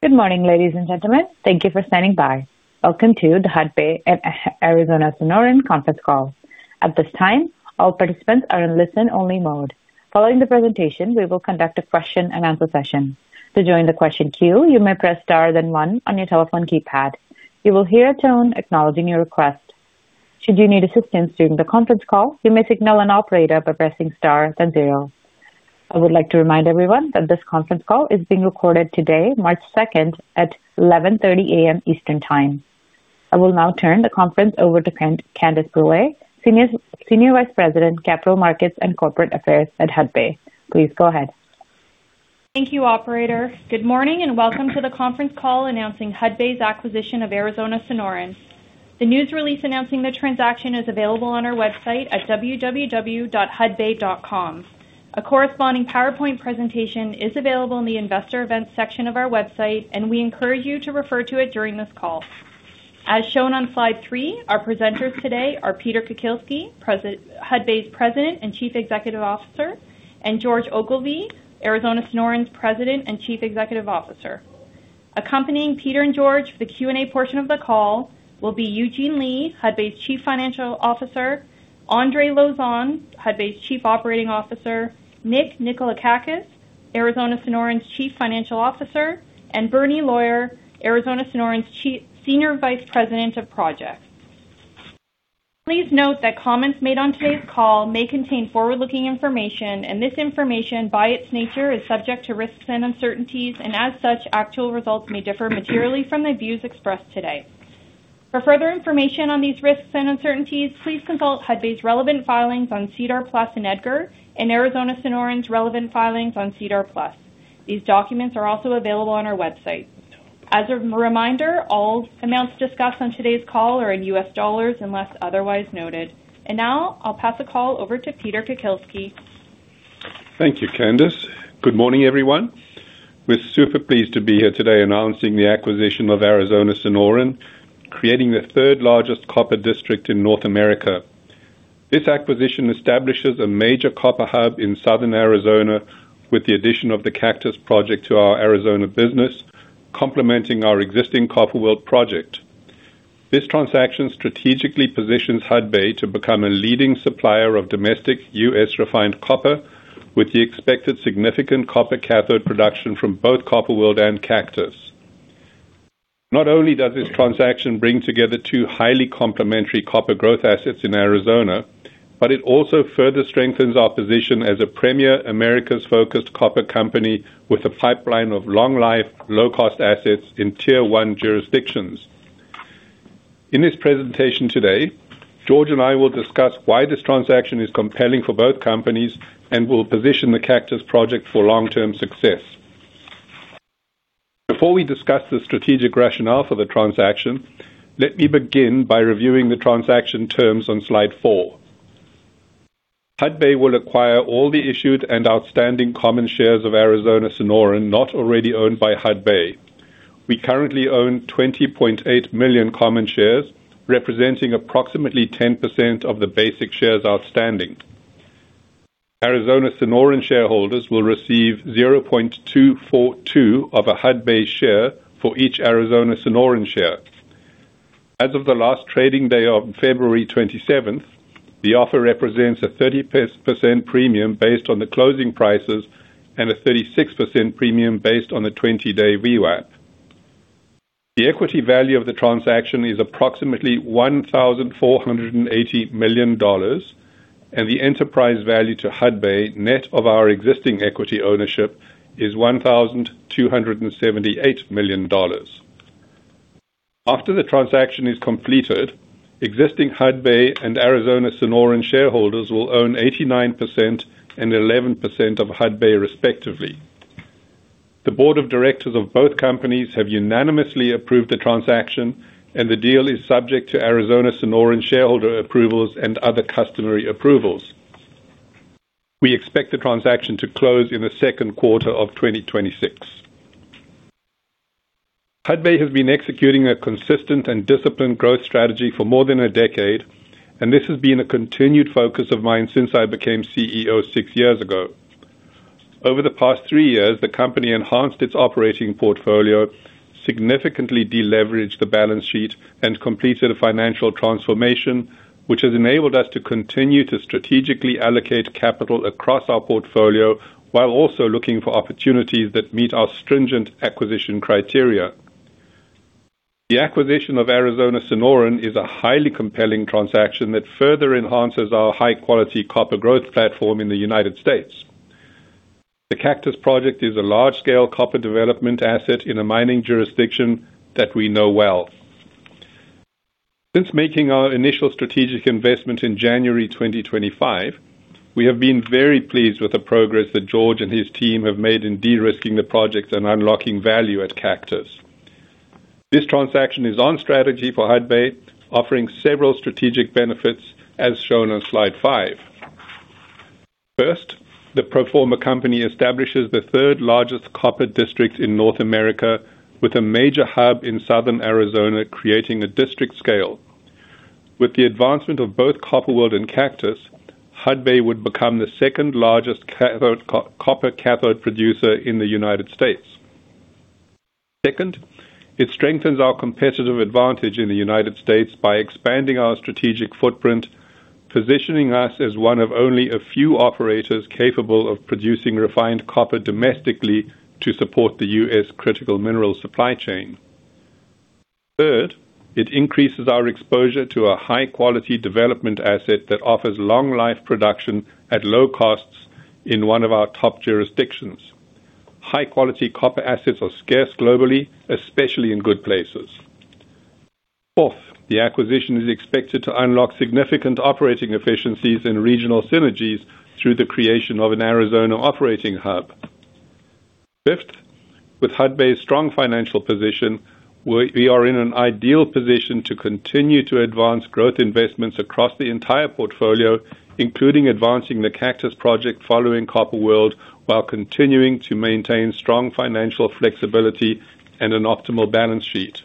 Good morning, ladies and gentlemen. Thank you for standing by. Welcome to the Hudbay and Arizona Sonoran conference call. At this time, all participants are in listen-only mode. Following the presentation, we will conduct a question and answer session. To join the question queue, you may press star then one on your telephone keypad. You will hear a tone acknowledging your request. Should you need assistance during the conference call, you may signal an operator by pressing star then zero. I would like to remind everyone that this conference call is being recorded today, March 2, at 11:30 A.M. Eastern Time. I will now turn the conference over to Candace Brule, Senior Vice President, Capital Markets & Corporate Affairs at Hudbay. Please go ahead. Thank you, operator. Good morning and welcome to the conference call announcing Hudbay's acquisition of Arizona Sonoran. The news release announcing the transaction is available on our website at www.hudbay.com. A corresponding PowerPoint presentation is available in the investor events section of our website, and we encourage you to refer to it during this call. As shown on slide three, our presenters today are Peter Kukielski, Hudbay's President and Chief Executive Officer, and George Ogilvie, Arizona Sonoran's President and Chief Executive Officer. Accompanying Peter and George for the Q&A portion of the call will be Eugene Lei, Hudbay's Chief Financial Officer, Andre Lauzon, Hudbay's Chief Operating Officer, Nick Nikolakakis, Arizona Sonoran's Chief Financial Officer, and Bernie Loyer, Arizona Sonoran's Senior Vice President of Projects. Please note that comments made on today's call may contain forward-looking information. This information, by its nature, is subject to risks and uncertainties, and as such, actual results may differ materially from the views expressed today. For further information on these risks and uncertainties, please consult Hudbay's relevant filings on SEDAR+ and EDGAR and Arizona Sonoran's relevant filings on SEDAR+. These documents are also available on our website. As a reminder, all amounts discussed on today's call are in U.S. dollars unless otherwise noted. Now I'll pass the call over to Peter Kukielski. Thank you, Candace. Good morning, everyone. We're super pleased to be here today announcing the acquisition of Arizona Sonoran, creating the third-largest copper district in North America. This acquisition establishes a major copper hub in southern Arizona with the addition of the Cactus Project to our Arizona business, complementing our existing Copper World Project. This transaction strategically positions Hudbay to become a leading supplier of domestic US-refined copper, with the expected significant copper cathode production from both Copper World and Cactus. Not only does this transaction bring together two highly complementary copper growth assets in Arizona, but it also further strengthens our position as a premier Americas-focused copper company with a pipeline of long-life, low-cost assets in Tier One jurisdictions. In this presentation today, George and I will discuss why this transaction is compelling for both companies and will position the Cactus Project for long-term success. Before we discuss the strategic rationale for the transaction, let me begin by reviewing the transaction terms on slide 4. Hudbay will acquire all the issued and outstanding common shares of Arizona Sonoran not already owned by Hudbay. We currently own 20.8 million common shares, representing approximately 10% of the basic shares outstanding. Arizona Sonoran shareholders will receive 0.242 of a Hudbay share for each Arizona Sonoran share. As of the last trading day on February 27th, the offer represents a 30% premium based on the closing prices and a 36% premium based on the 20-day VWAP. The equity value of the transaction is approximately $1,480 million, and the enterprise value to Hudbay, net of our existing equity ownership, is $1,278 million. After the transaction is completed, existing Hudbay and Arizona Sonoran shareholders will own 89% and 11% of Hudbay, respectively. The board of directors of both companies have unanimously approved the transaction. The deal is subject to Arizona Sonoran shareholder approvals and other customary approvals. We expect the transaction to close in the second quarter of 2026. Hudbay has been executing a consistent and disciplined growth strategy for more than a decade. This has been a continued focus of mine since I became CEO 6 years ago. Over the past 3 years, the company enhanced its operating portfolio, significantly de-leveraged the balance sheet, and completed a financial transformation, which has enabled us to continue to strategically allocate capital across our portfolio while also looking for opportunities that meet our stringent acquisition criteria. The acquisition of Arizona Sonoran is a highly compelling transaction that further enhances our high-quality copper growth platform in the United States. The Cactus project is a large-scale copper development asset in a mining jurisdiction that we know well. Since making our initial strategic investment in January 2025, we have been very pleased with the progress that George and his team have made in de-risking the project and unlocking value at Cactus. This transaction is on strategy for Hudbay, offering several strategic benefits, as shown on slide 5. The pro forma company establishes the 3rd-largest copper district in North America with a major hub in southern Arizona, creating a district scale. With the advancement of both Copper World and Cactus, Hudbay would become the 2nd largest copper cathode producer in the United States. It strengthens our competitive advantage in the United States by expanding our strategic footprint, positioning us as one of only a few operators capable of producing refined copper domestically to support the US critical mineral supply chain. It increases our exposure to a high-quality development asset that offers long life production at low costs in one of our top jurisdictions. High-quality copper assets are scarce globally, especially in good places. The acquisition is expected to unlock significant operating efficiencies and regional synergies through the creation of an Arizona operating hub. With Hudbay's strong financial position, we are in an ideal position to continue to advance growth investments across the entire portfolio, including advancing the Cactus project following Copper World, while continuing to maintain strong financial flexibility and an optimal balance sheet.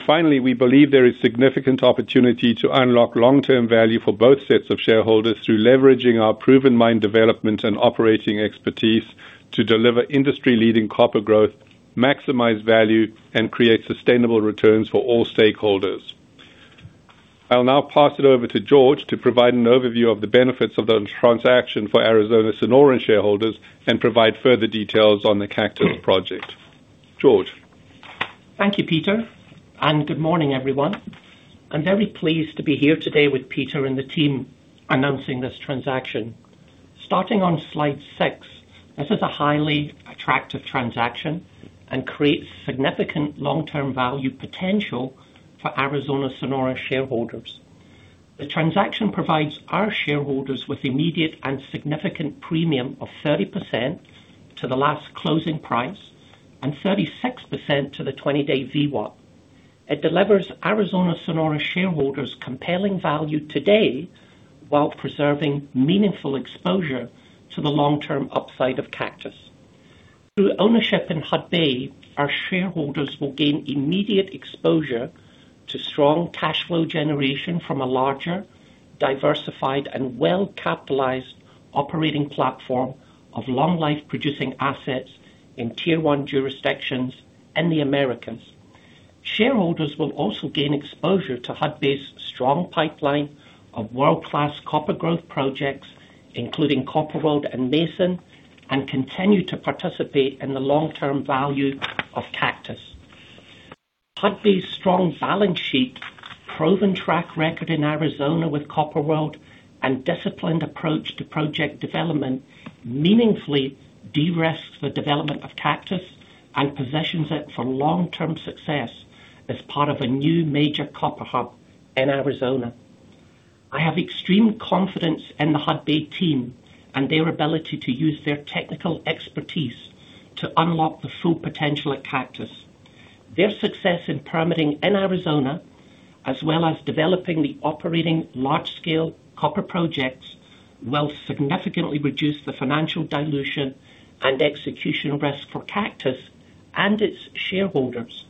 Finally, we believe there is significant opportunity to unlock long-term value for both sets of shareholders through leveraging our proven mine development and operating expertise to deliver industry-leading copper growth, maximize value, and create sustainable returns for all stakeholders. I'll now pass it over to George to provide an overview of the benefits of the transaction for Arizona Sonoran shareholders and provide further details on the Cactus project. George? Thank you, Peter, and good morning, everyone. I'm very pleased to be here today with Peter and the team announcing this transaction. Starting on slide six, this is a highly attractive transaction and creates significant long-term value potential for Arizona Sonoran shareholders. The transaction provides our shareholders with immediate and significant premium of 30% to the last closing price and 36% to the 20-day VWAP. It delivers Arizona Sonoran shareholders compelling value today while preserving meaningful exposure to the long-term upside of Cactus. Through ownership in Hudbay, our shareholders will gain immediate exposure to strong cash flow generation from a larger, diversified and well-capitalized operating platform of long life producing assets in Tier 1 jurisdictions and the Americans. Shareholders will also gain exposure to Hudbay's strong pipeline of world-class copper growth projects, including Copper World and Mason, and continue to participate in the long-term value of Cactus. Hudbay's strong balance sheet, proven track record in Arizona with Copper World, and disciplined approach to project development meaningfully de-risks the development of Cactus and positions it for long-term success as part of a new major copper hub in Arizona. I have extreme confidence in the Hudbay team and their ability to use their technical expertise to unlock the full potential at Cactus. Their success in permitting in Arizona, as well as developing the operating large-scale copper projects, will significantly reduce the financial dilution and execution risk for Cactus and its shareholders.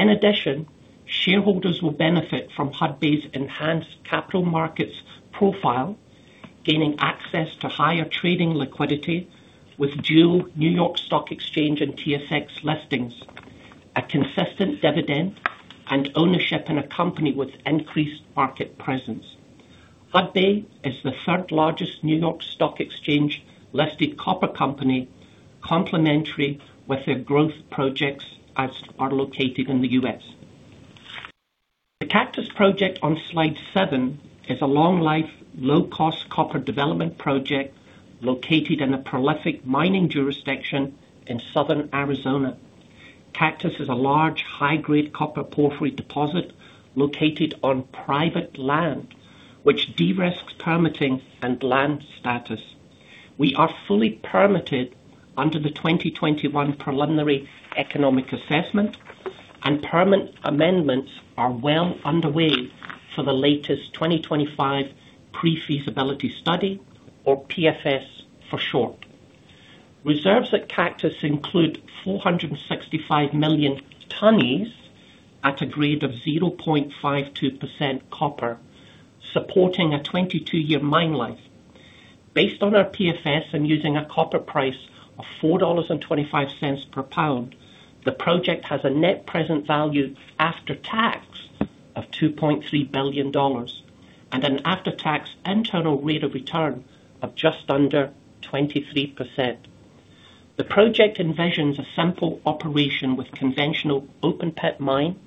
In addition, shareholders will benefit from Hudbay's enhanced capital markets profile, gaining access to higher trading liquidity with dual New York Stock Exchange and TSX listings, a consistent dividend and ownership in a company with increased market presence. Hudbay is the third largest New York Stock Exchange-listed copper company, complementary with their growth projects as are located in the U.S. The Cactus project on slide 7 is a long-life, low-cost copper development project located in a prolific mining jurisdiction in Southern Arizona. Cactus is a large, high-grade copper porphyry deposit located on private land, which de-risks permitting and land status. We are fully permitted under the 2021 preliminary economic assessment, Permit amendments are well underway for the latest 2025 pre-feasibility study or PFS for short. Reserves at Cactus include 465 million tonnes at a grade of 0.52% copper, supporting a 22-year mine life. Based on our PFS and using a copper price of $4.25 per pound, the project has a net present value after tax of $2.3 billion and an after-tax internal rate of return of just under 23%. The project envisions a simple operation with conventional open pit mine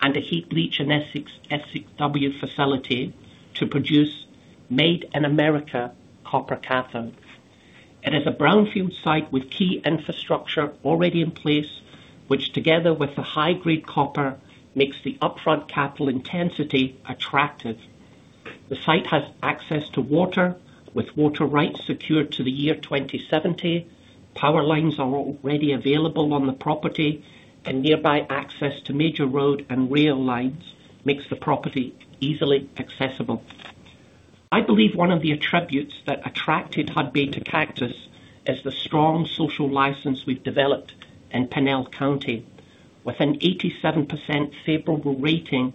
and a heap leach and SX/EW facility to produce made in America copper cathodes. It is a brownfield site with key infrastructure already in place, which together with the high-grade copper, makes the upfront capital intensity attractive. The site has access to water, with water rights secured to the year 2070. Power lines are already available on the property. Nearby access to major road and rail lines makes the property easily accessible. I believe one of the attributes that attracted Hudbay to Cactus is the strong social license we've developed in Pinal County with an 87% favorable rating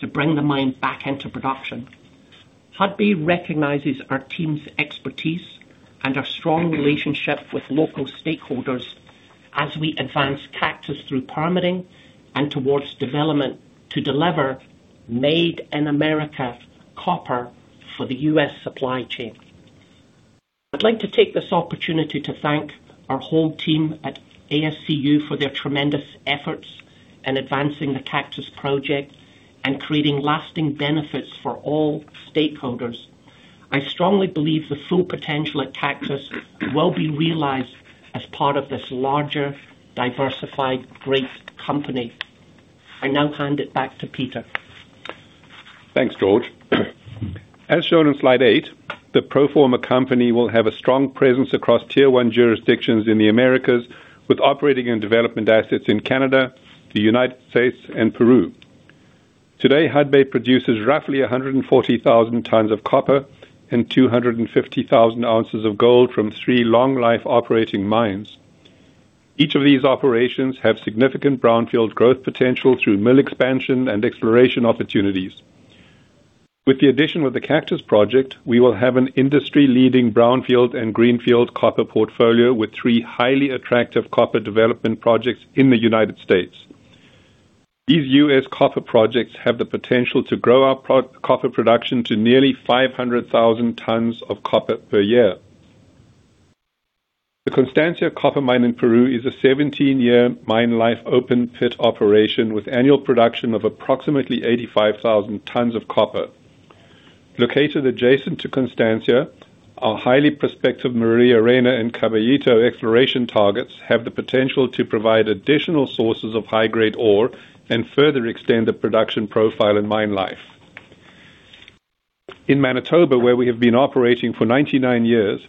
to bring the mine back into production. Hudbay recognizes our team's expertise and our strong relationship with local stakeholders as we advance Cactus through permitting and towards development to deliver made in America copper for the U.S. supply chain. I'd like to take this opportunity to thank our whole team at ASCU for their tremendous efforts in advancing the Cactus project and creating lasting benefits for all stakeholders. I strongly believe the full potential at Cactus will be realized as part of this larger, diversified, great company. I now hand it back to Peter. Thanks, George. As shown on slide 8, the pro forma company will have a strong presence across tier one jurisdictions in the Americas, with operating and development assets in Canada, the United States and Peru. Today, Hudbay produces roughly 140,000 tons of copper and 250,000 ounces of gold from 3 long life operating mines. Each of these operations have significant brownfield growth potential through mill expansion and exploration opportunities. With the addition of the Cactus project, we will have an industry leading brownfield and greenfield copper portfolio with 3 highly attractive copper development projects in the United States. These U.S. copper projects have the potential to grow our copper production to nearly 500,000 tons of copper per year. The Constancia copper mine in Peru is a 17-year mine life open pit operation with annual production of approximately 85,000 tons of copper. Located adjacent to Constancia, our highly prospective Maria Reina and Caballito exploration targets have the potential to provide additional sources of high-grade ore and further extend the production profile and mine life. In Manitoba, where we have been operating for 99 years,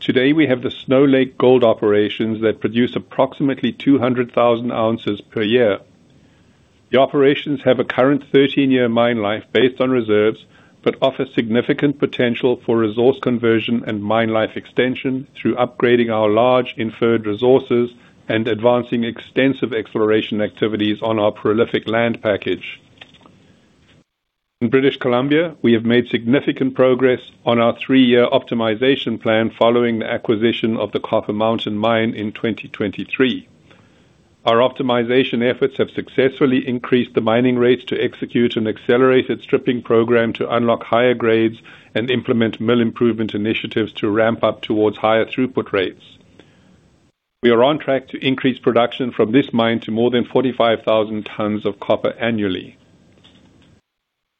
today we have the Snow Lake gold operations that produce approximately 200,000 ounces per year. The operations have a current 13-year mine life based on reserves, but offer significant potential for resource conversion and mine life extension through upgrading our large inferred resources and advancing extensive exploration activities on our prolific land package. In British Columbia, we have made significant progress on our 3-year optimization plan following the acquisition of the Copper Mountain Mine in 2023. Our optimization efforts have successfully increased the mining rates to execute an accelerated stripping program to unlock higher grades and implement mill improvement initiatives to ramp up towards higher throughput rates. We are on track to increase production from this mine to more than 45,000 tons of copper annually.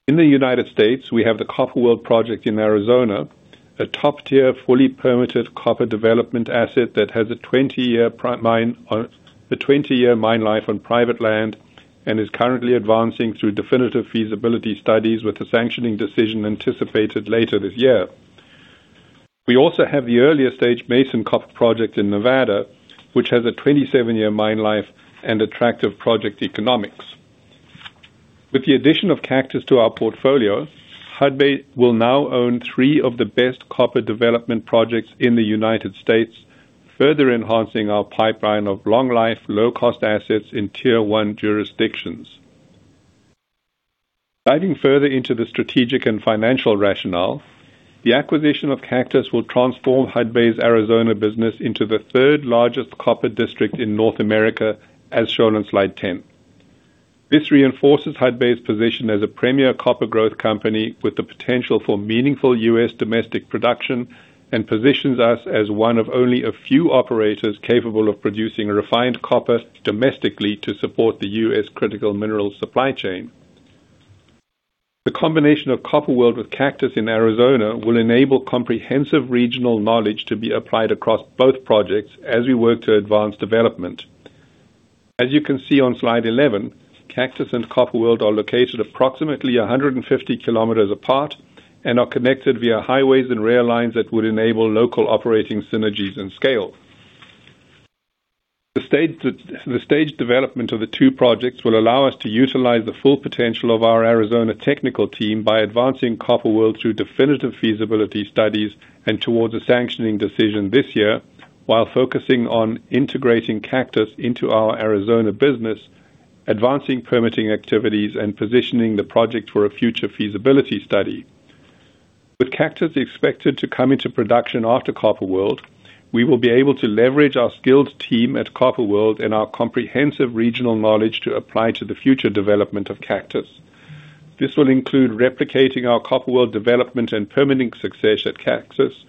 In the United States, we have the Copper World Project in Arizona, a top-tier, fully permitted copper development asset that has a 20-year mine life on private land and is currently advancing through definitive feasibility studies with a sanctioning decision anticipated later this year. We also have the earlier stage Mason Copper project in Nevada, which has a 27-year mine life and attractive project economics. With the addition of Cactus to our portfolio, Hudbay will now own 3 of the best copper development projects in the United States, further enhancing our pipeline of long life, low cost assets in tier one jurisdictions. Diving further into the strategic and financial rationale, the acquisition of Cactus will transform Hudbay's Arizona business into the third-largest copper district in North America, as shown on slide 10. This reinforces Hudbay's position as a premier copper growth company with the potential for meaningful U.S. domestic production, and positions us as one of only a few operators capable of producing refined copper domestically to support the U.S. critical mineral supply chain. The combination of Copper World with Cactus in Arizona will enable comprehensive regional knowledge to be applied across both projects as we work to advance development. As you can see on slide 11, Cactus and Copper World are located approximately 150 km apart and are connected via highways and rail lines that would enable local operating synergies and scale. The stage development of the two projects will allow us to utilize the full potential of our Arizona technical team by advancing Copper World through definitive feasibility studies and towards a sanctioning decision this year, while focusing on integrating Cactus into our Arizona business, advancing permitting activities, and positioning the project for a future feasibility study. With Cactus expected to come into production after Copper World, we will be able to leverage our skilled team at Copper World and our comprehensive regional knowledge to apply to the future development of Cactus. This will include replicating our Copper World development and permitting success at Cactus,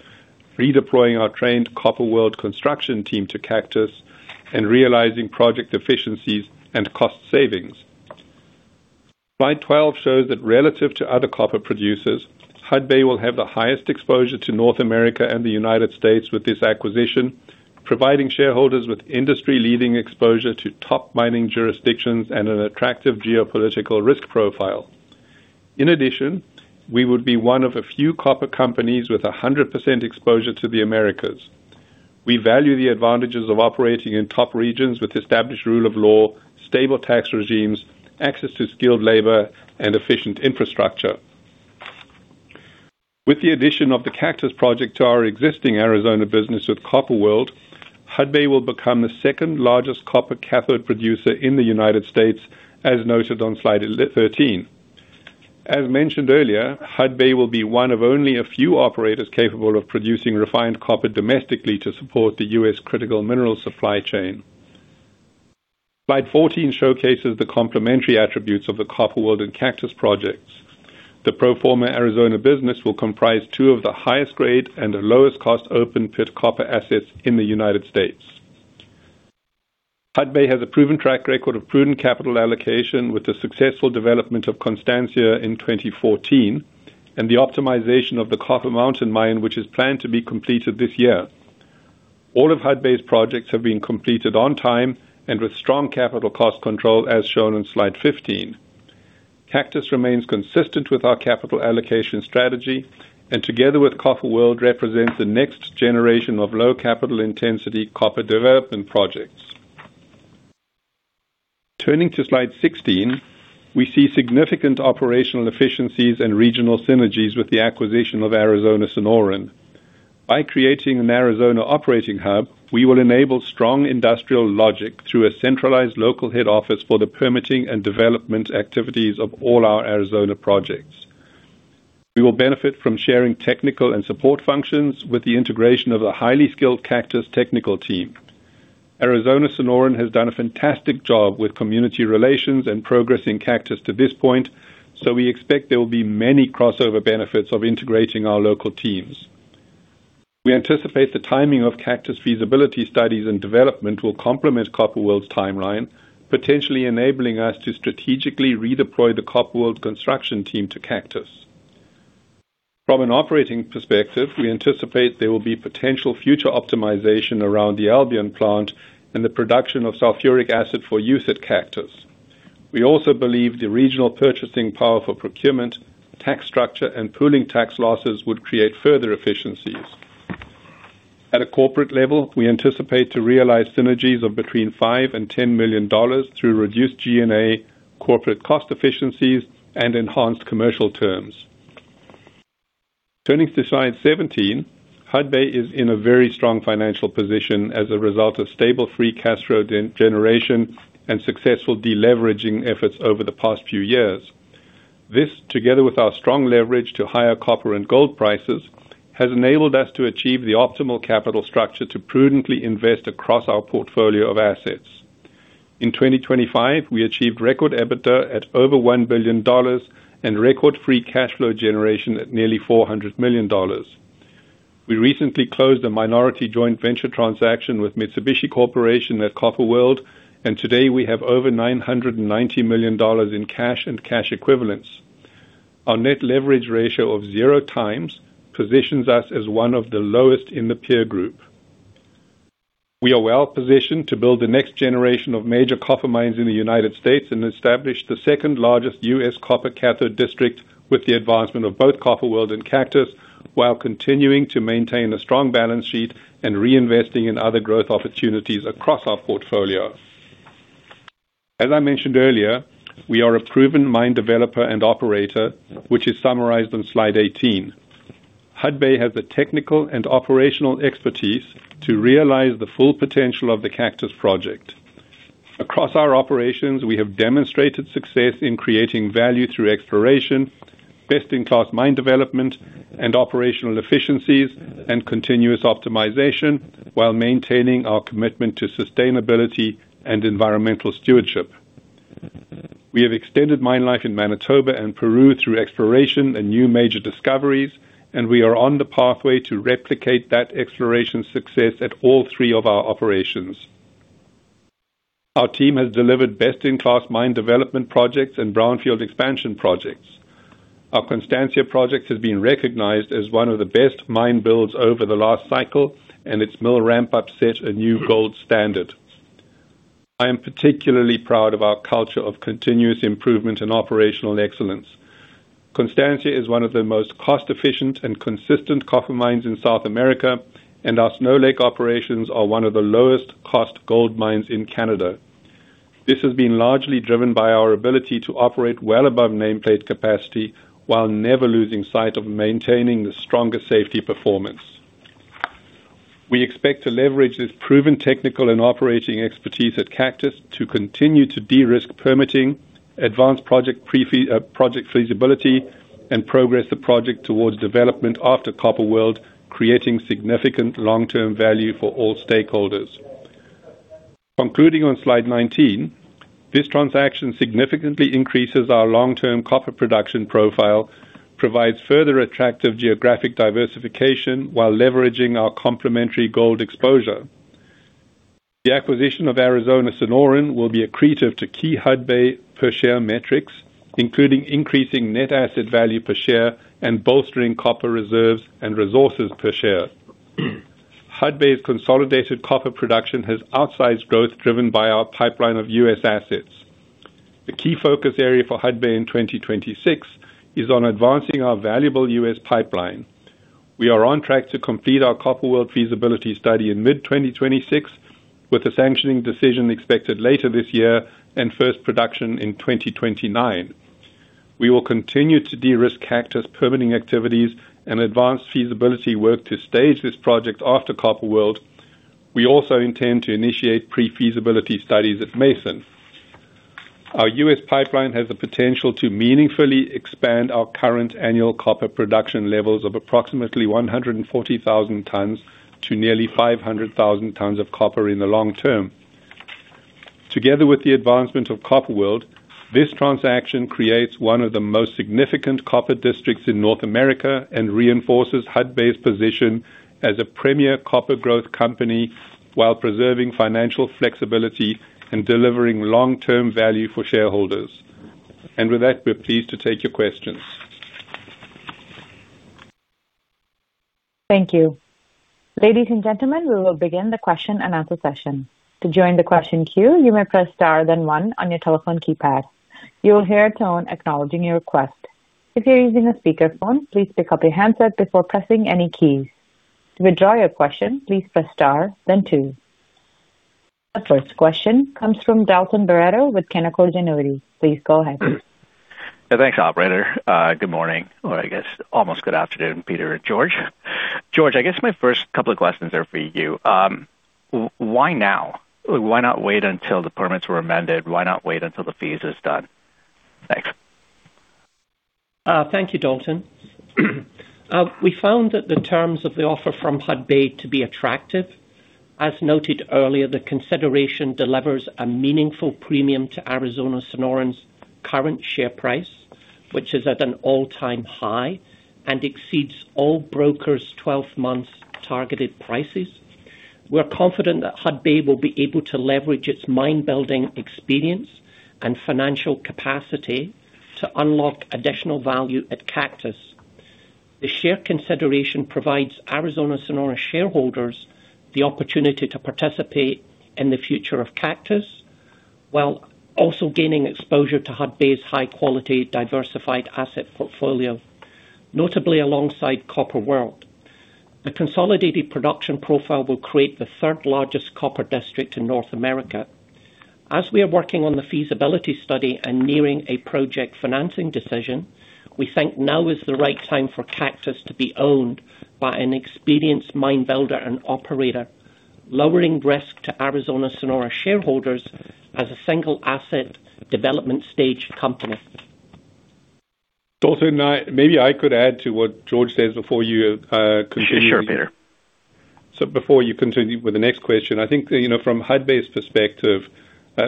redeploying our trained Copper World construction team to Cactus, and realizing project efficiencies and cost savings. Slide 12 shows that relative to other copper producers, Hudbay will have the highest exposure to North America and the United States with this acquisition, providing shareholders with industry-leading exposure to top mining jurisdictions and an attractive geopolitical risk profile. We would be one of a few copper companies with 100% exposure to the Americas. We value the advantages of operating in top regions with established rule of law, stable tax regimes, access to skilled labor and efficient infrastructure. With the addition of the Cactus project to our existing Arizona business with Copper World, Hudbay will become the second-largest copper cathode producer in the United States, as noted on slide 13. As mentioned earlier, Hudbay will be one of only a few operators capable of producing refined copper domestically to support the U.S. critical mineral supply chain. Slide 14 showcases the complementary attributes of the Copper World and Cactus projects. The pro forma Arizona business will comprise two of the highest grade and the lowest cost open pit copper assets in the United States. Hudbay has a proven track record of prudent capital allocation with the successful development of Constancia in 2014 and the optimization of the Copper Mountain Mine, which is planned to be completed this year. All of Hudbay's projects have been completed on time and with strong capital cost control, as shown in slide 15. Cactus remains consistent with our capital allocation strategy and together with Copper World, represents the next generation of low capital intensity copper development projects. Turning to slide 16, we see significant operational efficiencies and regional synergies with the acquisition of Arizona Sonoran. By creating an Arizona operating hub, we will enable strong industrial logic through a centralized local head office for the permitting and development activities of all our Arizona projects. We will benefit from sharing technical and support functions with the integration of a highly skilled Cactus technical team. Arizona Sonoran has done a fantastic job with community relations and progress in Cactus to this point, so we expect there will be many crossover benefits of integrating our local teams. We anticipate the timing of Cactus feasibility studies and development will complement Copper World's timeline, potentially enabling us to strategically redeploy the Copper World construction team to Cactus. From an operating perspective, we anticipate there will be potential future optimization around the Albion plant and the production of sulfuric acid for use at Cactus. We also believe the regional purchasing power for procurement, tax structure and pooling tax losses would create further efficiencies. At a corporate level, we anticipate to realize synergies of between $5 million and $10 million through reduced G&A, corporate cost efficiencies and enhanced commercial terms. Turning to slide 17, Hudbay is in a very strong financial position as a result of stable free cash flow generation and successful deleveraging efforts over the past few years. This, together with our strong leverage to higher copper and gold prices, has enabled us to achieve the optimal capital structure to prudently invest across our portfolio of assets. In 2025, we achieved record EBITDA at over $1 billion and record free cash flow generation at nearly $400 million. We recently closed a minority joint venture transaction with Mitsubishi Corporation at Copper World. Today we have over $990 million in cash and cash equivalents. Our net leverage ratio of 0 times positions us as one of the lowest in the peer group. We are well positioned to build the next generation of major copper mines in the United States and establish the second-largest US copper cathode district with the advancement of both Copper World and Cactus, while continuing to maintain a strong balance sheet and reinvesting in other growth opportunities across our portfolio. As I mentioned earlier, we are a proven mine developer and operator, which is summarized on slide 18. Hudbay has the technical and operational expertise to realize the full potential of the Cactus project. Across our operations, we have demonstrated success in creating value through exploration, best-in-class mine development and operational efficiencies and continuous optimization while maintaining our commitment to sustainability and environmental stewardship. We have extended mine life in Manitoba and Peru through exploration and new major discoveries, we are on the pathway to replicate that exploration success at all three of our operations. Our team has delivered best-in-class mine development projects and brownfield expansion projects. Our Constancia project has been recognized as one of the best mine builds over the last cycle, its mill ramp up set a new gold standard. I am particularly proud of our culture of continuous improvement and operational excellence. Constancia is one of the most cost-efficient and consistent copper mines in South America. Our Snow Lake operations are one of the lowest cost gold mines in Canada. This has been largely driven by our ability to operate well above nameplate capacity while never losing sight of maintaining the strongest safety performance. We expect to leverage this proven technical and operating expertise at Cactus to continue to de-risk permitting, advance project feasibility, and progress the project towards development after Copper World, creating significant long-term value for all stakeholders. Concluding on slide 19, this transaction significantly increases our long-term copper production profile, provides further attractive geographic diversification while leveraging our complementary gold exposure. The acquisition of Arizona Sonoran will be accretive to key Hudbay per share metrics, including increasing net asset value per share and bolstering copper reserves and resources per share. Hudbay's consolidated copper production has outsized growth driven by our pipeline of U.S. assets. The key focus area for Hudbay in 2026 is on advancing our valuable U.S. pipeline. We are on track to complete our Copper World feasibility study in mid 2026, with the sanctioning decision expected later this year and first production in 2029. We will continue to de-risk Cactus permitting activities and advance feasibility work to stage this project after Copper World. We also intend to initiate pre-feasibility studies at Mason. Our U.S. pipeline has the potential to meaningfully expand our current annual copper production levels of approximately 140,000 tons to nearly 500,000 tons of copper in the long term. Together with the advancement of Copper World, this transaction creates one of the most significant copper districts in North America and reinforces Hudbay's position as a premier copper growth company while preserving financial flexibility and delivering long-term value for shareholders. With that, we're pleased to take your questions. Thank you. Ladies and gentlemen, we will begin the question and answer session. To join the question queue, you may press star, then one on your telephone keypad. You will hear a tone acknowledging your request. If you're using a speakerphone, please pick up your handset before pressing any keys. To withdraw your question, please press star then two. The first question comes from Dalton Baretto with Canaccord Genuity. Please go ahead. Thanks, operator. Good morning, or I guess almost good afternoon, Peter and George. George, I guess my first couple of questions are for you. Why now? Why not wait until the permits were amended? Why not wait until the fees is done? Thanks. Thank you, Dalton. We found that the terms of the offer from Hudbay to be attractive. As noted earlier, the consideration delivers a meaningful premium to Arizona Sonoran's current share price, which is at an all-time high and exceeds all brokers' 12 months targeted prices. We're confident that Hudbay will be able to leverage its mine building experience and financial capacity to unlock additional value at Cactus. The share consideration provides Arizona Sonoran shareholders the opportunity to participate in the future of Cactus while also gaining exposure to Hudbay's high-quality, diversified asset portfolio, notably alongside Copper World. The consolidated production profile will create the third largest copper district in North America. As we are working on the feasibility study and nearing a project financing decision, we think now is the right time for Cactus to be owned by an experienced mine builder and operator, lowering risk to Arizona Sonoran shareholders as a single asset development stage company. Dalton, maybe I could add to what George says before you continue- Sure, Peter. Before you continue with the next question, I think, you know, from Hudbay's perspective,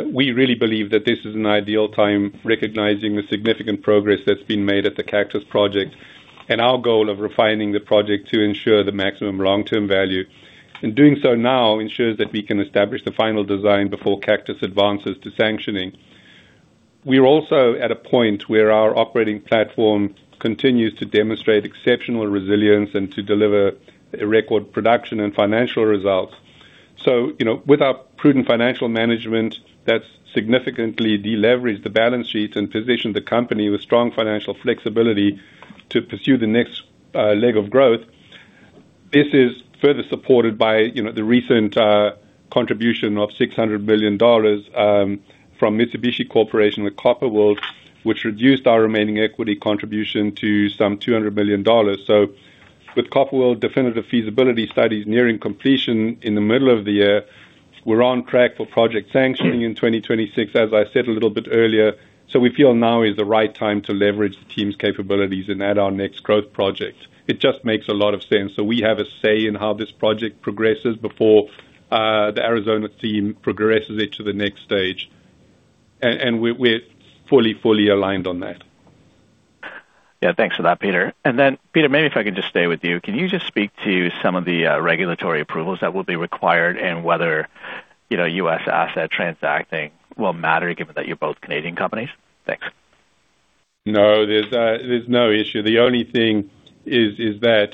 we really believe that this is an ideal time, recognizing the significant progress that's been made at the Cactus project and our goal of refining the project to ensure the maximum long-term value. Doing so now ensures that we can establish the final design before Cactus advances to sanctioning. We are also at a point where our operating platform continues to demonstrate exceptional resilience and to deliver a record production and financial results. You know, with our prudent financial management, that's significantly deleveraged the balance sheet and positioned the company with strong financial flexibility to pursue the next leg of growth. This is further supported by, you know, the recent contribution of $600 million from Mitsubishi Corporation with Copper World, which reduced our remaining equity contribution to some $200 million. With Copper World definitive feasibility studies nearing completion in the middle of the year, we're on track for project sanctioning in 2026, as I said a little bit earlier. We feel now is the right time to leverage the team's capabilities and add our next growth project. It just makes a lot of sense. We have a say in how this project progresses before the Arizona team progresses it to the next stage, and we're fully aligned on that. Yeah, thanks for that, Peter. Peter, maybe if I can just stay with you. Can you just speak to some of the regulatory approvals that will be required and whether, you know, U.S. asset transacting will matter given that you're both Canadian companies? Thanks. No, there's no issue. The only thing is that,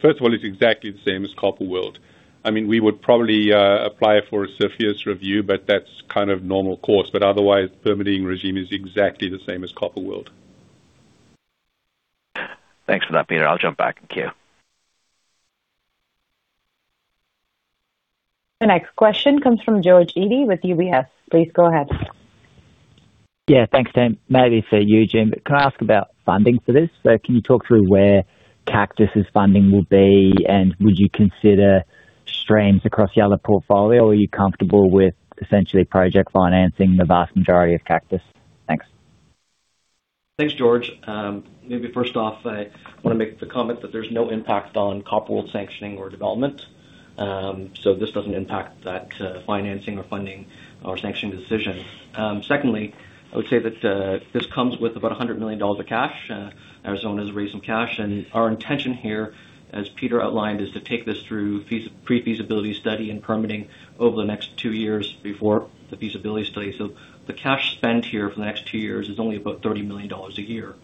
first of all, it's exactly the same as Copper World. I mean, we would probably apply for a CFIUS review, but that's kind of normal course. Otherwise, permitting regime is exactly the same as Copper World. Thanks for that, Peter. I'll jump back. Thank you. The next question comes from George Edie with UBS. Please go ahead. Yeah, thanks, team. Maybe for you, Eugene, can I ask about funding for this? Can you talk through where Cactus' funding will be, and would you consider strains across the other portfolio, or are you comfortable with essentially project financing the vast majority of Cactus? Thanks. Thanks, George. Maybe first off, I wanna make the comment that there's no impact on Copper World sanctioning or development. This doesn't impact that financing or funding or sanction decision. Secondly, I would say that this comes with about $100 million of cash. Arizona has raised some cash, and our intention here, as Peter outlined, is to take this through pre-feasibility study and permitting over the next 2 years before the feasibility study. The cash spent here for the next 2 years is only about $30 million a year.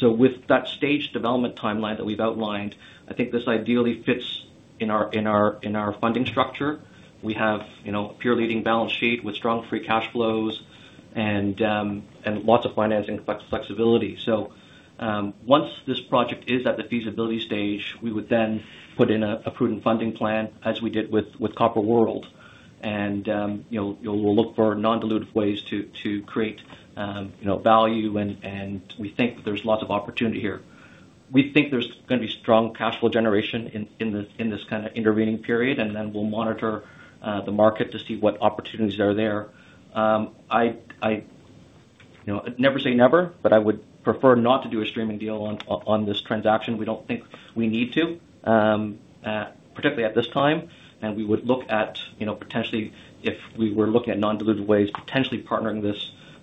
With that stage development timeline that we've outlined, I think this ideally fits in our funding structure. We have, you know, a pure leading balance sheet with strong free cash flows and lots of financing flexibility. Once this project is at the feasibility stage, we would then put in a prudent funding plan as we did with Copper World. You know, we'll look for non-dilutive ways to create, you know, value and we think there's lots of opportunity here. We think there's gonna be strong cashflow generation in this kinda intervening period. Then we'll monitor the market to see what opportunities are there. I, you know, never say never, but I would prefer not to do a streaming deal on this transaction. We don't think we need to, particularly at this time. We would look at, you know, potentially if we were looking at non-dilutive ways, potentially partnering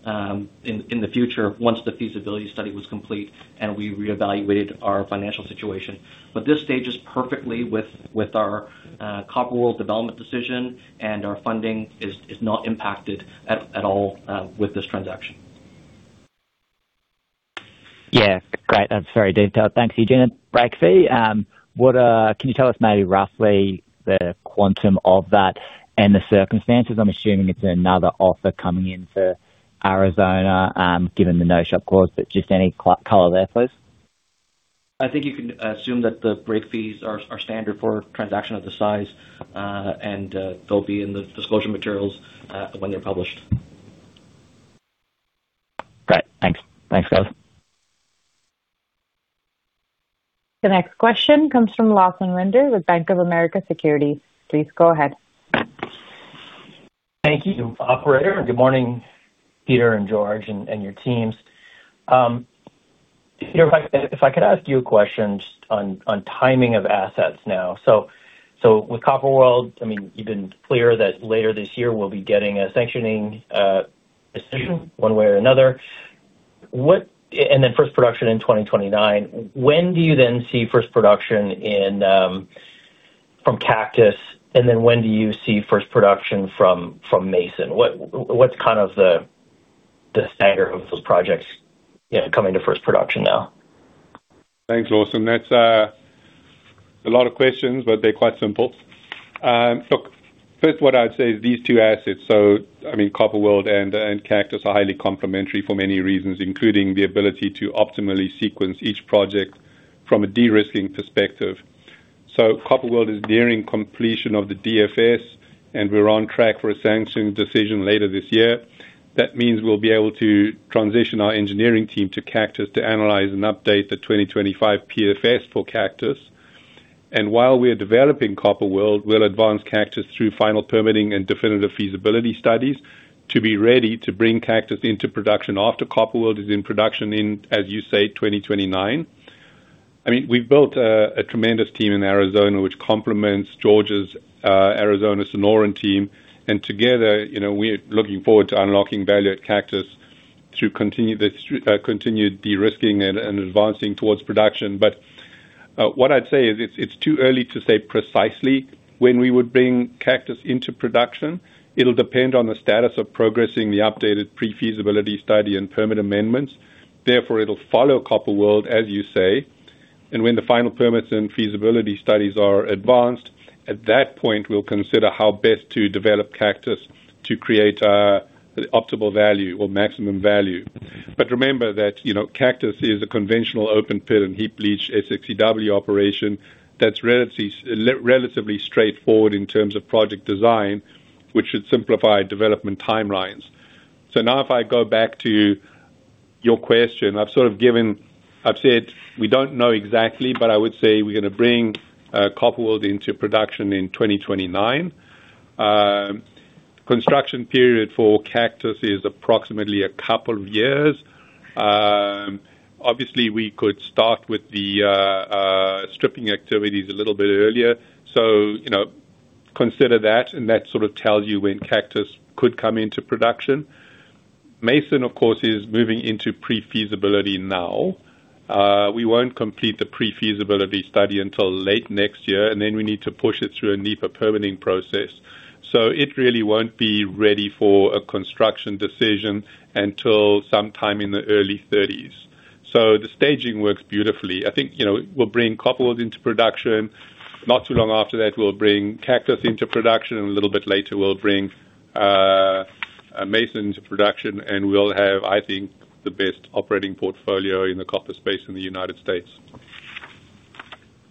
this in the future once the feasibility study was complete and we reevaluated our financial situation. This stage is perfectly with our Copper World development decision and our funding is not impacted at all with this transaction. Yeah, great. That's very detailed. Thanks, Eugene. Break fee, what, can you tell us maybe roughly the quantum of that and the circumstances? I'm assuming it's another offer coming into Arizona Sonoran Copper Company, given the no-shop clause, but just any color there, please. I think you can assume that the break fees are standard for a transaction of this size, and they'll be in the disclosure materials when they're published. Great. Thanks. Thanks, guys. The next question comes from Lawson Linder with Bank of America Securities. Please go ahead. Thank you, operator, and good morning, Peter and George and your teams. Peter, if I could ask you a question just on timing of assets now. With Copper World, I mean, you've been clear that later this year we'll be getting a sanctioning decision one way or another. And then first production in 2029. When do you then see first production from Cactus? And then when do you see first production from Mason? What's kind of the stagger of those projects, you know, coming to first production now? Thanks, Lawson. That's a lot of questions, but they're quite simple. Look, first, what I'd say is these two assets, I mean, Copper World and Cactus are highly complementary for many reasons, including the ability to optimally sequence each project from a de-risking perspective. Copper World is nearing completion of the DFS. We're on track for a sanction decision later this year. That means we'll be able to transition our engineering team to Cactus to analyze and update the 2025 PFS for Cactus. While we are developing Copper World, we'll advance Cactus through final permitting and definitive feasibility studies to be ready to bring Cactus into production after Copper World is in production in, as you say, 2029. I mean, we've built a tremendous team in Arizona, which complements George's Arizona Sonoran team, together, you know, we're looking forward to unlocking value at Cactus through this continued de-risking and advancing towards production. What I'd say is it's too early to say precisely when we would bring Cactus into production. It'll depend on the status of progressing the updated pre-feasibility study and permit amendments. Therefore, it'll follow Copper World, as you say. When the final permits and feasibility studies are advanced, at that point, we'll consider how best to develop Cactus to create optimal value or maximum value. Remember that, you know, Cactus is a conventional open pit and heap leach SXEW operation that's relatively straightforward in terms of project design, which should simplify development timelines. Now if I go back to your question, I've said, we don't know exactly, but I would say we're gonna bring Copper World into production in 2029. Construction period for Cactus is approximately 2 years. Obviously we could start with the stripping activities a little bit earlier. You know, consider that, and that sort of tells you when Cactus could come into production. Mason, of course, is moving into pre-feasibility now. We won't complete the pre-feasibility study until late next year, and then we need to push it through a NEPA permitting process. It really won't be ready for a construction decision until sometime in the early 2030s. The staging works beautifully. I think, you know, we'll bring Copper World into production. Not too long after that, we'll bring Cactus into production, and a little bit later we'll bring Mason to production, and we'll have, I think, the best operating portfolio in the copper space in the United States.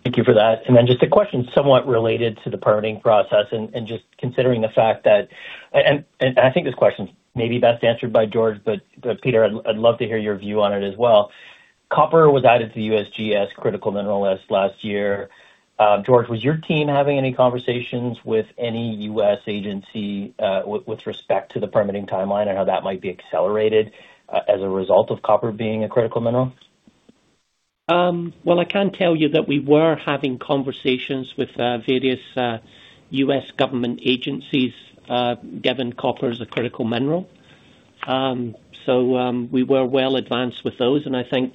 Thank you for that. Just a question somewhat related to the permitting process and just considering the fact that I think this question may be best answered by George, but Peter, I'd love to hear your view on it as well. Copper was added to the USGS critical mineral list last year. George, was your team having any conversations with any U.S. agency with respect to the permitting timeline and how that might be accelerated as a result of copper being a critical mineral? Well, I can tell you that we were having conversations with various U.S. government agencies, given copper is a critical mineral. We were well advanced with those, and I think,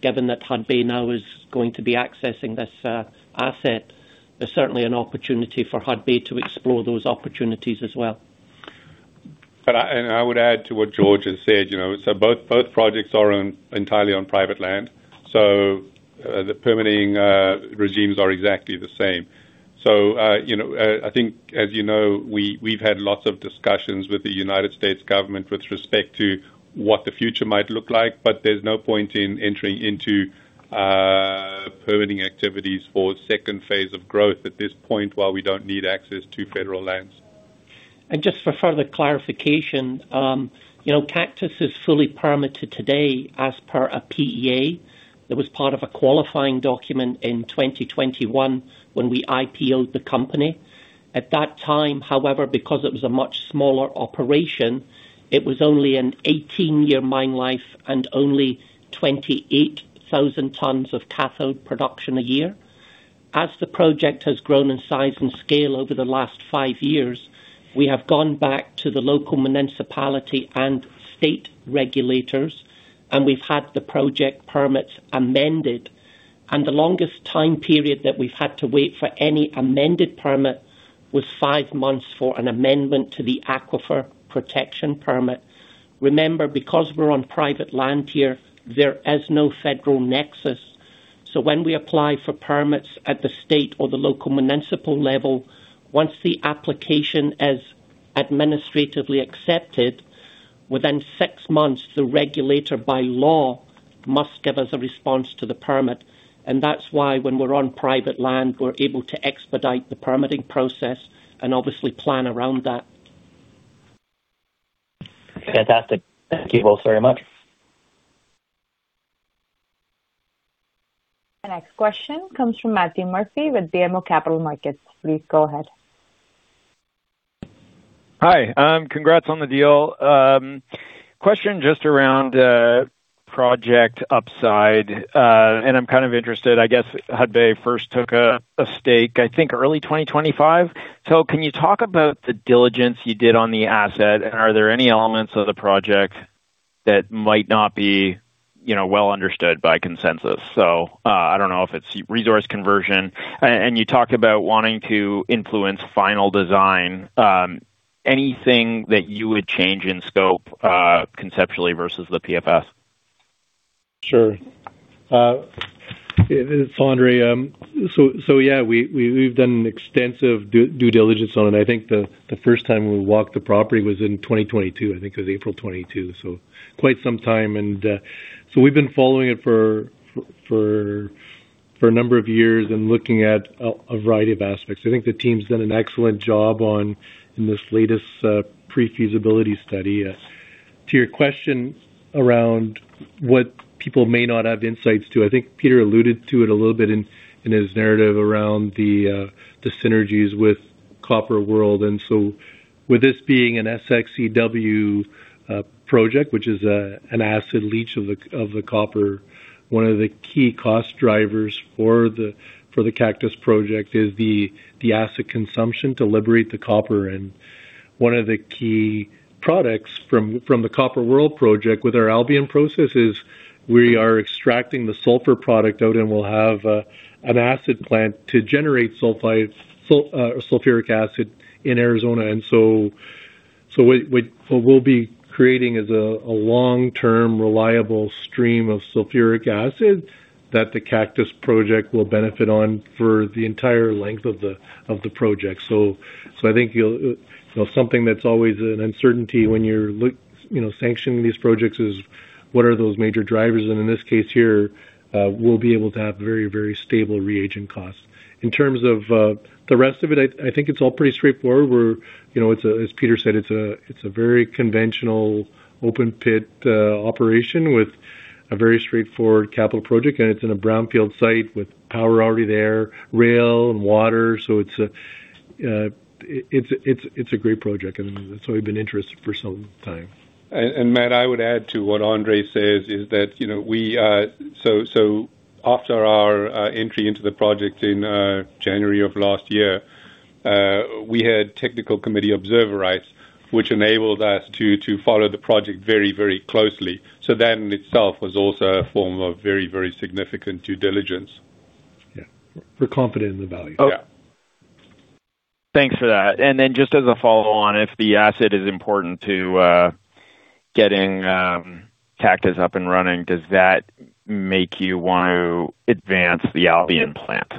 given that Hudbay now is going to be accessing this asset, there's certainly an opportunity for Hudbay to explore those opportunities as well. I, and I would add to what George has said, you know, both projects are on entirely on private land, so the permitting regimes are exactly the same. You know, I think as you know, we've had lots of discussions with the United States government with respect to what the future might look like, but there's no point in entering into permitting activities for second phase of growth at this point while we don't need access to federal lands. Just for further clarification, you know, Cactus is fully permitted today as per a PEA. It was part of a qualifying document in 2021 when we IPO-ed the company. At that time, however, because it was a much smaller operation, it was only an 18-year mine life and only 28,000 tons of cathode production a year. As the project has grown in size and scale over the last 5 years, we have gone back to the local municipality and state regulators, and we've had the project permits amended. The longest time period that we've had to wait for any amended permit was 5 months for an amendment to the Aquifer Protection Permit. Remember, because we're on private land here, there is no federal nexus. When we apply for permits at the state or the local municipal level, once the application is administratively accepted, within 6 months, the regulator by law must give us a response to the permit. That's why when we're on private land, we're able to expedite the permitting process and obviously plan around that. Fantastic. Thank you both very much. The next question comes from Matthew Murphy with BMO Capital Markets. Please go ahead. Hi. Congrats on the deal. Question just around project upside. I'm kind of interested, I guess Hudbay first took a stake, I think, early 2025. Can you talk about the diligence you did on the asset? And you talked about wanting to influence final design. Anything that you would change in scope conceptually versus the PFS? Sure. It's Andre. Yeah, we've done extensive due diligence on it. I think the first time we walked the property was in 2022. I think it was April 2022, so quite some time. We've been following it for a number of years and looking at a variety of aspects. I think the team's done an excellent job in this latest pre-feasibility study. To your question around what people may not have insights to, I think Peter alluded to it a little bit in his narrative around the synergies with Copper World. With this being an SXEW project, which is an acid leach of the copper, one of the key cost drivers for the Cactus project is the acid consumption to liberate the copper. One of the key products from the Copper World project with our Albion Process is we are extracting the sulfur product out, and we'll have an acid plant to generate sulfuric acid in Arizona. What we'll be creating is a long-term, reliable stream of sulfuric acid that the Cactus project will benefit on for the entire length of the project. I think you'll. You know, something that's always an uncertainty when you're, you know, sanctioning these projects is what are those major drivers? In this case here, we'll be able to have very, very stable reagent costs. In terms of the rest of it, I think it's all pretty straightforward. You know, as Peter said, it's a very conventional open pit operation with a very straightforward capital project, and it's in a brownfield site with power already there, rail and water. It's a great project, and that's why we've been interested for some time. Matt, I would add to what Andre says is that, you know, we, after our entry into the project in January of last year, we had technical committee observer rights, which enabled us to follow the project very closely. That in itself was also a form of very significant due diligence. Yeah. We're confident in the value. Yeah. Thanks for that. Then just as a follow-on, if the asset is important to getting Cactus up and running, does that make you want to advance the Albion plant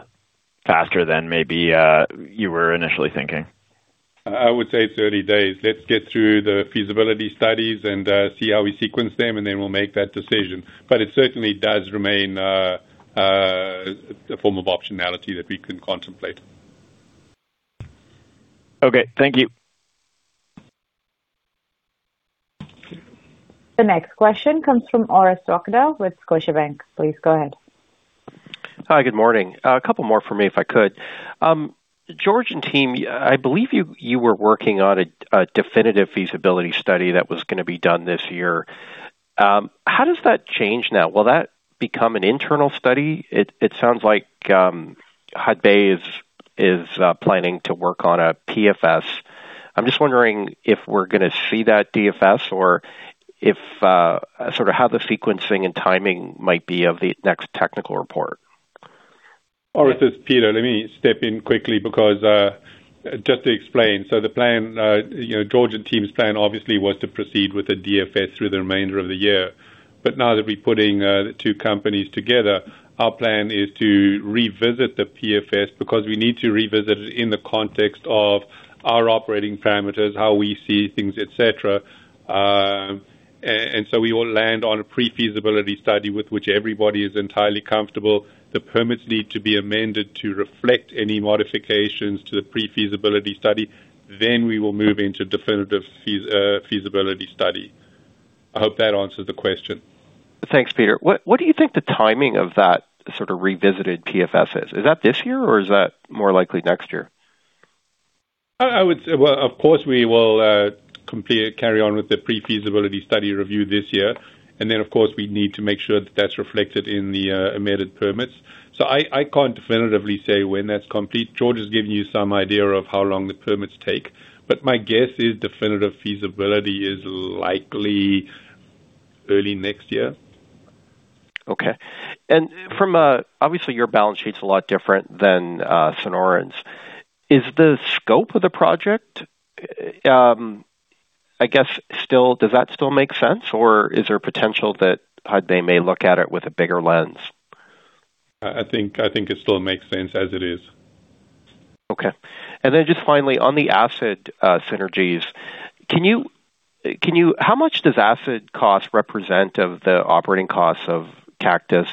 faster than maybe you were initially thinking? I would say it's early days. Let's get through the feasibility studies and, see how we sequence them, and then we'll make that decision. It certainly does remain, a form of optionality that we can contemplate. Okay. Thank you. The next question comes from Orest Wowkodaw with Scotiabank. Please go ahead. Hi. Good morning. A couple more for me, if I could. George and team, I believe you were working on a definitive feasibility study that was gonna be done this year. How does that change now? Will that become an internal study? It sounds like Hudbay planning to work on a PFS. I'm just wondering if we're gonna see that DFS or if sort of how the sequencing and timing might be of the next technical report. George, it's Peter. Let me step in quickly because, just to explain, the plan, you know, George and team's plan obviously was to proceed with the DFS through the remainder of the year. Now that we're putting, two companies together, our plan is to revisit the PFS because we need to revisit it in the context of our operating parameters, how we see things, et cetera. We will land on a pre-feasibility study with which everybody is entirely comfortable. The permits need to be amended to reflect any modifications to the pre-feasibility study. We will move into definitive feasibility study. I hope that answers the question. Thanks, Peter. What do you think the timing of that sort of revisited PFS is? Is that this year or is that more likely next year? I would say, of course, we will complete, carry on with the pre-feasibility study review this year. Of course, we need to make sure that that's reflected in the amended permits. I can't definitively say when that's complete. George has given you some idea of how long the permits take. My guess is definitive feasibility is likely early next year. Okay. From a... obviously, your balance sheet's a lot different than Sonoran's. Is the scope of the project, I guess does that still make sense, or is there potential that they may look at it with a bigger lens? I think it still makes sense as it is. Okay. Just finally, on the acid, synergies, can you how much does acid cost represent of the operating costs of Cactus?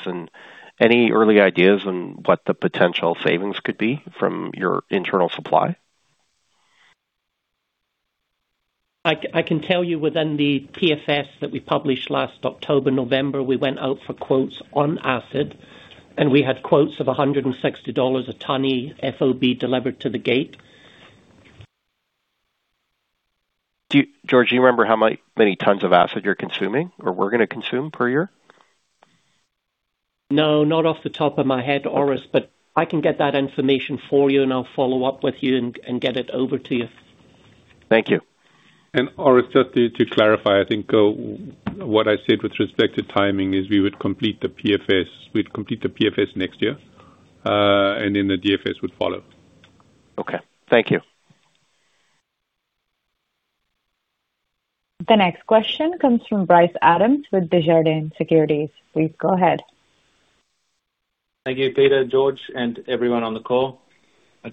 Any early ideas on what the potential savings could be from your internal supply? I can tell you within the PFS that we published last October, November, we went out for quotes on acid, we had quotes of $160 a ton FOB delivered to the gate. Do you, George, do you remember how many tons of acid you're consuming or we're gonna consume per year? No, not off the top of my head, George, but I can get that information for you and I'll follow up with you and get it over to you. Thank you. George, just to clarify, I think what I said with respect to timing is we would complete the PFS next year, and then the DFS would follow. Okay. Thank you. The next question comes from Bryce Adams with Desjardins Securities. Please go ahead. Thank you, Peter, George, and everyone on the call.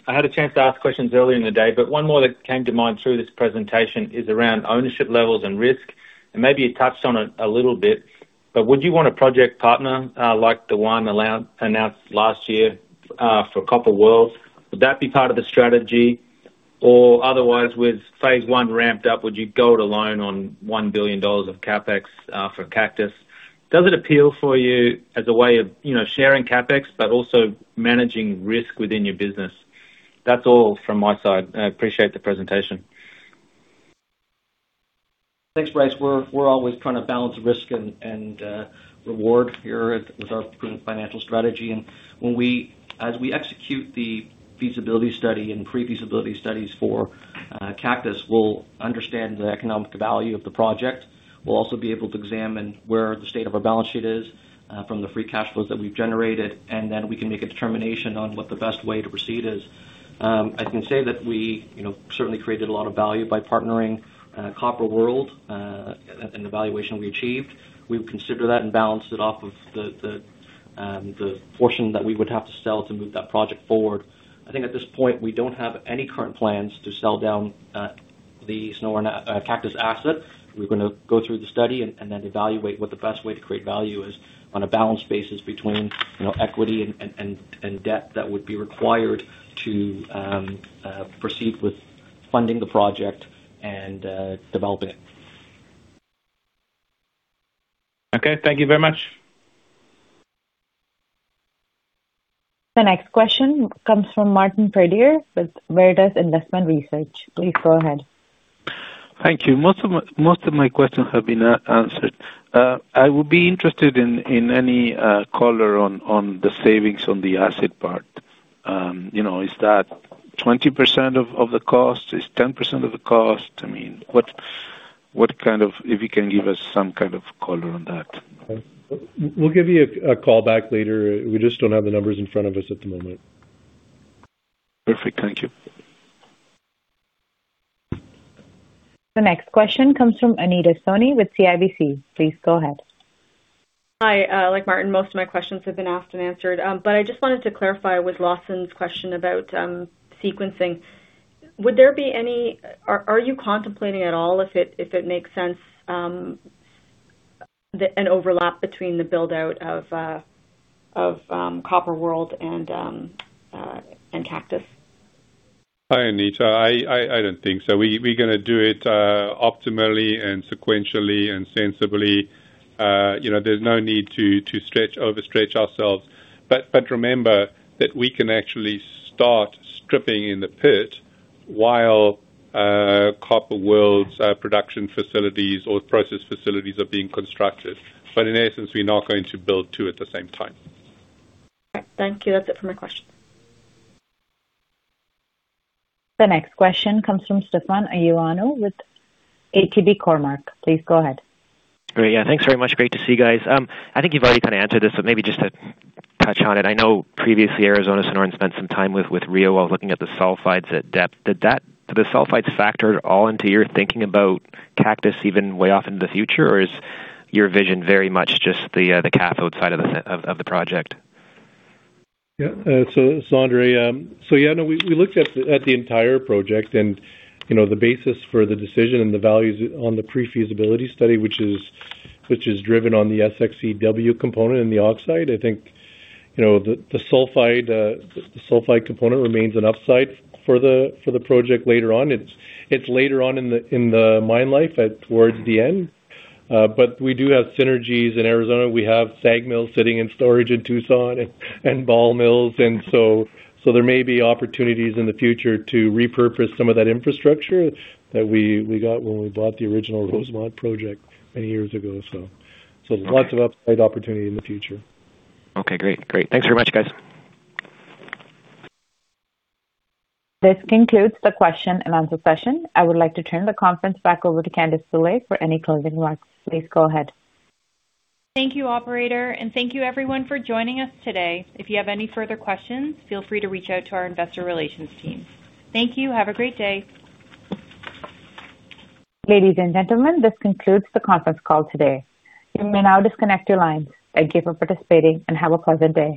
I had a chance to ask questions earlier in the day, but one more that came to mind through this presentation is around ownership levels and risk. Maybe you touched on it a little bit, but would you want a project partner, like the one announced last year, for Copper World? Would that be part of the strategy? Otherwise, with phase one ramped up, would you go it alone on $1 billion of CapEx, for Cactus? Does it appeal for you as a way of, you know, sharing CapEx but also managing risk within your business? That's all from my side. I appreciate the presentation. Thanks, Bryce. We're always trying to balance risk and reward here with our financial strategy. As we execute the feasibility study and pre-feasibility studies for Cactus, we'll understand the economic value of the project. We'll also be able to examine where the state of our balance sheet is from the free cash flows that we've generated, and then we can make a determination on what the best way to proceed is. I can say that we, you know, certainly created a lot of value by partnering Copper World and the valuation we achieved. We would consider that and balance it off of the portion that we would have to sell to move that project forward. I think at this point, we don't have any current plans to sell down the Sonoran Cactus asset. We're gonna go through the study and then evaluate what the best way to create value is on a balanced basis between, you know, equity and debt that would be required to proceed with funding the project and develop it. Okay. Thank you very much. The next question comes from Martin Pradier with Veritas Investment Research. Please go ahead. Thank you. Most of my questions have been answered. I would be interested in any color on the savings on the asset part. you know, is that 20% of the cost? Is 10% of the cost? I mean, what kind of... if you can give us some kind of color on that. We'll give you a call back later. We just don't have the numbers in front of us at the moment. Perfect. Thank you. The next question comes from Anita Soni with CIBC. Please go ahead. Hi. Like Martin, most of my questions have been asked and answered. I just wanted to clarify with Lawson's question about sequencing. Are you contemplating at all if it makes sense, the, an overlap between the build-out of Copper World and Cactus? Hi, Anita. I don't think so. We're gonna do it optimally and sequentially and sensibly. You know, there's no need to stretch, overstretch ourselves. Remember that we can actually start stripping in the pit while Copper World's production facilities or process facilities are being constructed. In essence, we're not going to build two at the same time. Okay. Thank you. That's it for my questions. The next question comes from Stefan Ioannou with ATB Cormark. Please go ahead. Great. Yeah, thanks very much. Great to see you guys. I think you've already kinda answered this, but maybe just to touch on it. I know previously Arizona Sonoran spent some time with Rio while looking at the sulfides at depth. Did that, did the sulfides factor at all into your thinking about Cactus even way off into the future? Or is your vision very much just the cathode side of the project? Yeah. So Andre, we looked at the, at the entire project and, you know, the basis for the decision and the values on the pre-feasibility study, which is, which is driven on the SXEW component and the oxide. I think, you know, the sulfide component remains an upside for the project later on. It's, it's later on in the, in the mine life at towards the end. We do have synergies in Arizona. We have SAG mills sitting in storage in Tucson and ball mills. There may be opportunities in the future to repurpose some of that infrastructure that we got when we bought the original Rosemont project many years ago. There's lots of upside opportunity in the future. Okay, great. Great. Thanks very much, guys. This concludes the question and answer session. I would like to turn the conference back over to Candace Brûlé for any closing remarks. Please go ahead. Thank you, operator, and thank you everyone for joining us today. If you have any further questions, feel free to reach out to our investor relations team. Thank you. Have a great day. Ladies and gentlemen, this concludes the conference call today. You may now disconnect your lines. Thank you for participating, have a pleasant day.